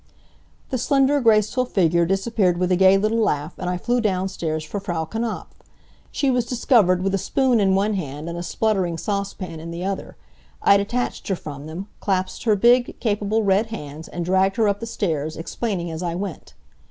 The slender, graceful figure disappeared with a gay little laugh, and I flew downstairs for Frau Knapf. She was discovered with a spoon in one hand and a spluttering saucepan in the other. I detached her from them, clasped her big, capable red hands and dragged her up the stairs, explaining as I went.